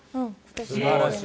素晴らしい。